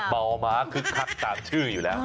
เมาม้าคึกคักตามชื่ออยู่แล้ว